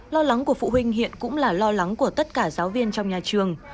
lo lắng của phụ huynh hiện cũng là lo lắng của tất cả giáo viên trong nhà trường